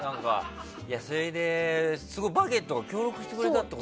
それですごい「バゲット」が協力してくれたって。